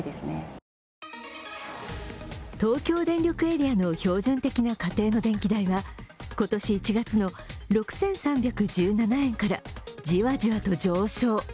東京電力エリアの標準的な家庭の電気代は今年１月の６３１７円からジワジワと上昇。